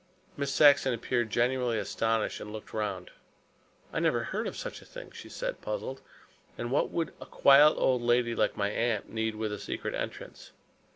Miss Saxon appeared genuinely astonished and looked round. "I never heard of such a thing," she said, puzzled. "And what would a quiet old lady like my aunt need with a secret entrance?"